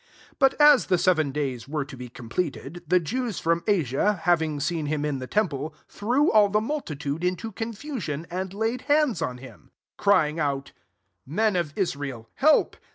27 But as the seven days were to be completed, the Jews from Asia, having seen him in the temple, threw all the multitude into confusion, and laid hands on him, 28 crying out, *' Men of Israel, hefp.